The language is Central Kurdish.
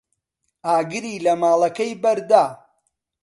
ئاگری لە ماڵەکەی بەردا.